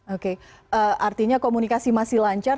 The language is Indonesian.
oke artinya komunikasi masih lancar